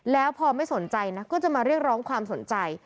แล้วพอไม่สนใจนะก็จะมาเรียกร้องความสนใจ